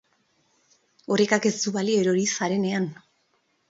Orekak ez du balio erori zarenean.